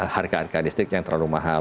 harga harga listrik yang terlalu mahal